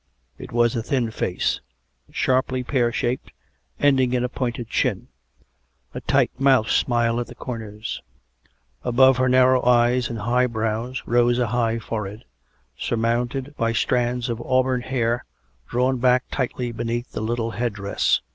It was a thin face, sharply pear shaped, ending in a pointed chin; a tight mouth smiled at the corners; above her narrow eyes and high brows rose a high forehead, surmounted by strands of auburn hair drawn back tightly beneath the little head dress.